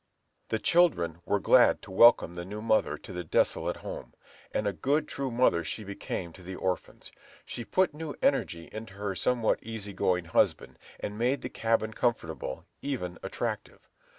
The children were glad to welcome the new mother to the desolate home; and a good, true mother she became to the orphans. She put new energy into her somewhat easy going husband, and made the cabin comfortable, even attractive.